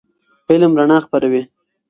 علم رڼا خپروي.